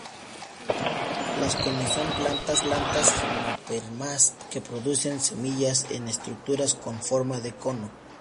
Las coníferas son plantas gimnospermas que producen semillas en estructuras con forma de cono.